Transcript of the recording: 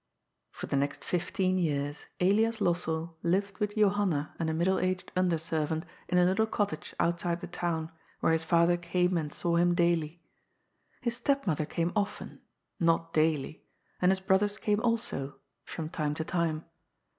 Fob the next fifteen years Elias Lossell liyed with Johanna and a middle aged nnder servant in a little cottage outside the town, where his father came and saw him daily. His stepmother came often — ^not daily — and his brothers came also, from time to time.